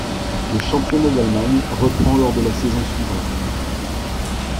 Le Championnat d'Allemagne reprend lors de la saison suivante.